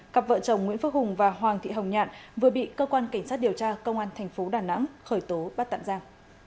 cặp vợ chồng nguyễn phước hùng và hoàng thị hồng nhạn vừa bị cơ quan cảnh sát điều tra công an thành phố đà nẵng khởi tố bắt tạm giam